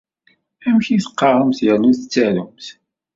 Amek ay teqqaremt yernu tettarumt?